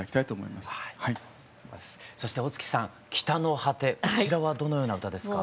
そして大月さん「北の果て」こちらはどのような歌ですか？